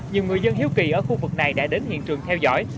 nhiều người dân hiếu kỳ ở khu vực này đã đến hiện trường theo dõi